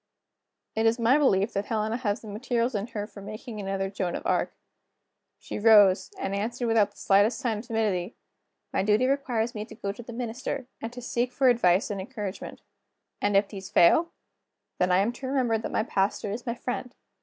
It is my belief that Helena has the materials in her for making another Joan of Arc. She rose, and answered without the slightest sign of timidity: "My duty requires me to go to the minister, and to seek for advice and encouragement." "And if these fail?" "Then I am to remember that my pastor is my friend.